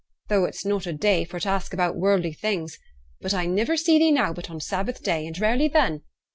Though it's not a day for t' ask about worldly things. But I niver see thee now but on Sabbath day, and rarely then.